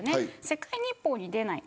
世界日報に出ない。